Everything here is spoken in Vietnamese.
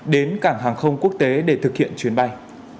đến cảng hàng không quốc tế để thực hiện chuyến bay